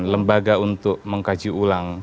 lembaga untuk mengkaji ulang